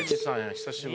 久しぶりだ。